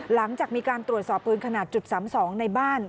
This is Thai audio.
หลังจากมีการตรวจสอบปืนขณะจุดสามสองในบ้าน